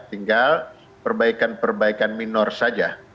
tinggal perbaikan perbaikan minor saja